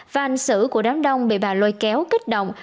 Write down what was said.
và hành xử của đám đông bị bà lôi kéo kích động